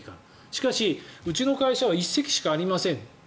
しかし、うちの会社は１隻しかありません。